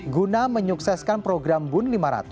guna menyukseskan program bun lima ratus